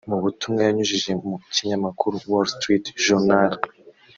Mu butumwa yanyujije mu kinyamakuru Wall Street Journal